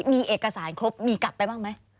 มีเอกสารครบมีกลับไปบ้างไหม